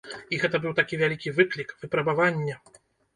І гэта быў такі вялікі выклік, выпрабаванне.